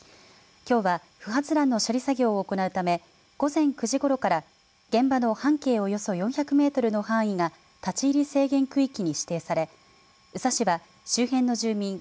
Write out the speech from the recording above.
きょうは、不発弾の処理作業を行うため午前９時ごろから現場の半径およそ４００メートルの範囲が立ち入り制限区域に指定され宇佐市は周辺の住民